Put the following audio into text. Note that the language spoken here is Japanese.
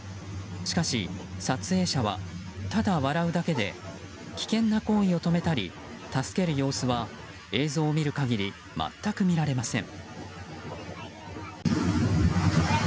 しかし、撮影者はただ笑うだけで危険な行為を止めたり助ける様子は、映像を見る限り全く見られません。